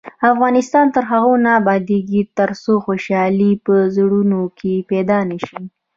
افغانستان تر هغو نه ابادیږي، ترڅو خوشحالي په زړونو کې پیدا نشي.